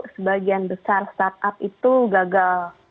sebagian besar startup itu gagal